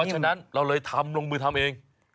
ฉะนั้นเราเลยทำลงมือทำเอง